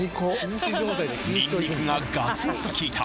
ニンニクがガツンときいた